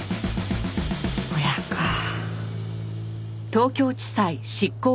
親かあ。